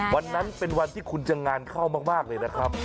วันนั้นเป็นวันที่คุณจะงานเข้ามากเลยนะครับ